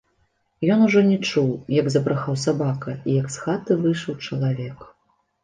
Ён ужо не чуў, як забрахаў сабака і як з хаты выйшаў чалавек.